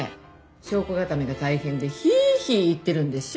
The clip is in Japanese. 証拠固めが大変でヒーヒー言ってるんでしょ？